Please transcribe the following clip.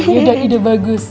yaudah ide bagus